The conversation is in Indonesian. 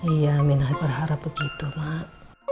iya minahe berharap begitu mak